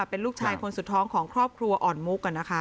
เป็นลูกชายคนสุดท้องของครอบครัวอ่อนมุก